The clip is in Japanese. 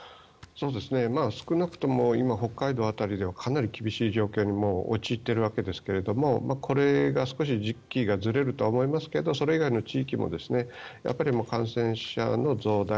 少なくとも今、北海道辺りではかなり厳しい状況に陥っているわけですがこれが少し時期がずれるとは思いますがそれ以外の地域も感染者の増大